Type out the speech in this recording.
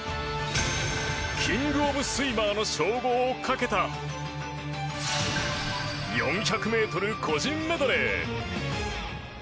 キング・オブ・スイマーの称号をかけた４００ｍ個人メドレー。